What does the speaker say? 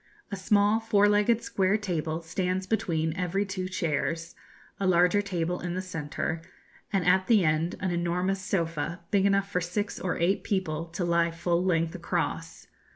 A small four legged square table stands between every two chairs, a larger table in the centre, and at the end an enormous sofa, big enough for six or eight people to lie full length across.